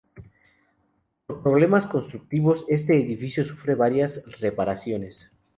Por problemas constructivos este edificio sufre varias reparaciones.